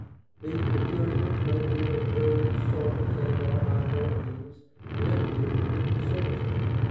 These materials may be of varied sorts and are by no means limited to written sources.